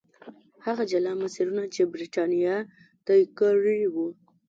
هغه جلا مسیرونه چې برېټانیا طی کړي وو.